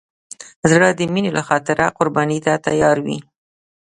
زړه د مینې له خاطره قرباني ته تیار وي.